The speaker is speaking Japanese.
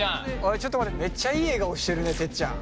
ちょっと待ってめっちゃいい笑顔してるねてっちゃん。